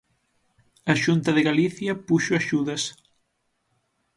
A Xunta de Galicia puxo axudas.